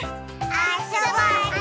あそぼうね！